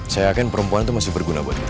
saya yakin perempuan tuh masih berguna buat kita